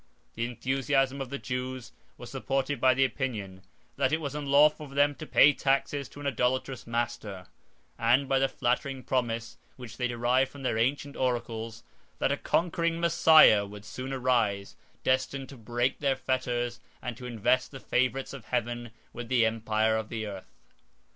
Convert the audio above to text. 2 The enthusiasm of the Jews was supported by the opinion, that it was unlawful for them to pay taxes to an idolatrous master; and by the flattering promise which they derived from their ancient oracles, that a conquering Messiah would soon arise, destined to break their fetters, and to invest the favorites of heaven with the empire of the earth.